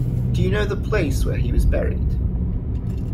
Do you know the place where he was buried?